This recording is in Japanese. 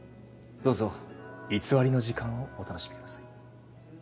どうぞ偽りの時間をお楽しみください。